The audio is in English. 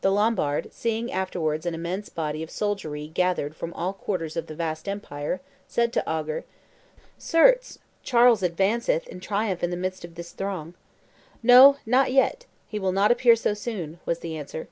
The Lombard, seeing afterwards an immense body of soldiery gathered from all quarters of the vast empire, said to Ogger, 'Certes, Charles advanceth in triumph in the midst of this throng.' 'No, not yet; he will not appear so soon,' was the answer.